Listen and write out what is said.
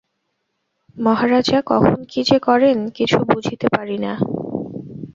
মহারাজা কখন কী যে করেন, কিছু বুঝিতে পারি না।